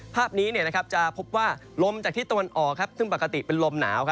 ภาพนี้จะพบว่าลมจากทิศตะวันออกซึ่งปกติเป็นลมหนาว